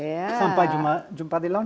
dan saya dan pak muazzam akan meneruskan